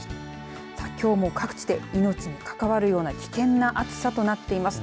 きょうも各地で命に関わるような危険な暑さとなっています。